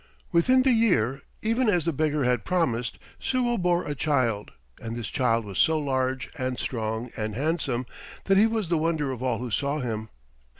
Within the year, even as the beggar had promised, Suo bore a child, and this child was so large and strong and handsome that he was the wonder of all who saw him.